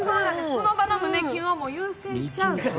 その場の胸キュンを優先しちゃう。